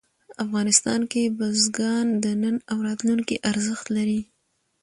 افغانستان کې بزګان د نن او راتلونکي ارزښت لري.